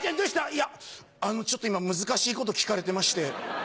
「いやちょっと今難しいこと聞かれてまして」。